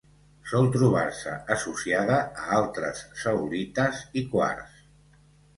Sol trobar-se associada a altres zeolites i quars.